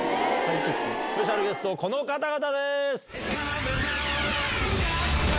スペシャルゲスト、この方々です。